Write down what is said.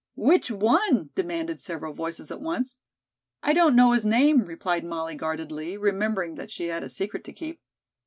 "Which one?" demanded several voices at once. "I don't know his name," replied Molly guardedly, remembering that she had a secret to keep.